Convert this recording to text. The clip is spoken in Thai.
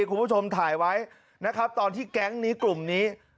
คุณผู้ชมถ่ายไว้นะครับตอนที่แก๊งนี้กลุ่มนี้